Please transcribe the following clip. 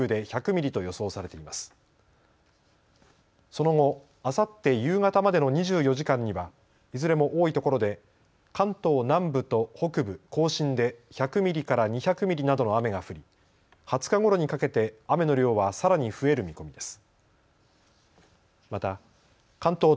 その後、あさって夕方までの２４時間にはいずれも多いところで関東南部と北部、甲信で１００ミリから２００ミリなどの雨が降り、２０日ごろにかけて雨の量はさらに増える見込みです。